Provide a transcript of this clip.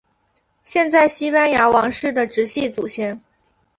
现在西班牙王室的直系祖先。